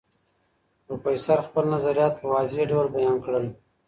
پروفیسرو خپل نظریات په واضح ډول بیان کړل.